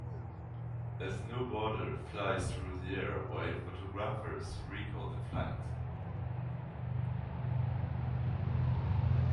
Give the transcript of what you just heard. A snowboarder flies through the air while photographers record the flight.